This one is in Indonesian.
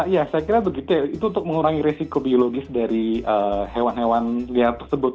ya saya kira begitu itu untuk mengurangi resiko biologis dari hewan hewan liar tersebut